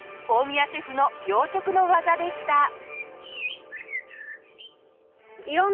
大宮シェフの洋食の技でした。